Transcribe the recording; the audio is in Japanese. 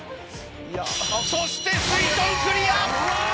そしてすいとんクリア。